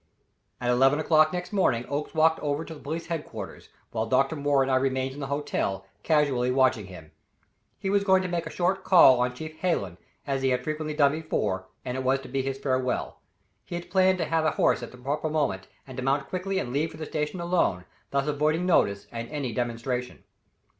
At eleven o'clock next morning Oakes walked over to the police headquarters, while Dr. Moore and I remained in the hotel, casually watching him. He was going to make a short call on Chief Hallen, as he had frequently done before, and it was to be his farewell. He had planned to have a horse at the proper moment, and to mount quickly and leave for the station alone, thus avoiding notice and any demonstration.